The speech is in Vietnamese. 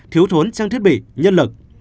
thiếu thốn trang thiết bị nhân lực